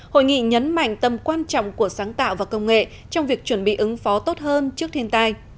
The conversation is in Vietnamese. hội nghị nhấn mạnh tầm quan trọng của sáng tạo và công nghệ trong việc chuẩn bị ứng phó tốt hơn trước thiên tai